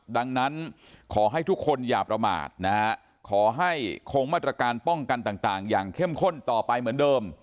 ดังนั้นขอให้ทุกคนอย่าประมาทนะฮะขอให้คงมาตรการป้องกันต่างอย่างเข้มข้นต่อไปเหมือนเดิม